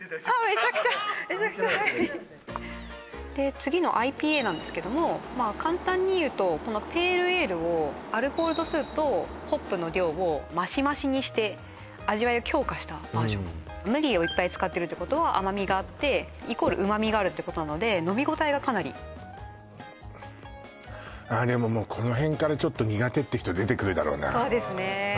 めちゃくちゃめちゃくちゃ早いで次のＩＰＡなんですけどもまあ簡単にいうとこのペールエールをアルコール度数とホップの量を増し増しにして味わいを強化したバージョン麦をいっぱい使ってるってことは甘味があってイコール旨味があるってことなので飲みごたえがかなりあーでもこの辺からちょっと苦手って人出てくるだろうなそうですね